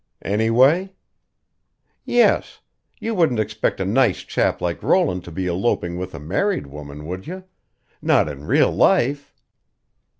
"Anyway?" "Yes. You wouldn't expect a nice chap like Roland to be eloping with a married woman, would you? Not in real life?"